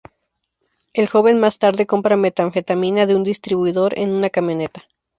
El joven más tarde compra metanfetamina de un distribuidor en una camioneta.